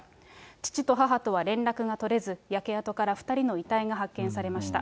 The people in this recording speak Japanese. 父と母とは連絡が取れず、焼け跡から２人の遺体が発見されました。